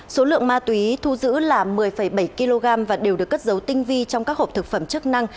số lượng ma túy thu giữ là một mươi bảy kg và đều được cất dấu tinh vi trong các hộp thực phẩm chức năng